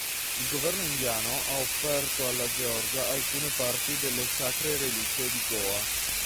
Il governo indiano ha offerto alla Georgia alcune parti delle sacre reliquie di Goa.